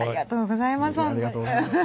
ありがとうございます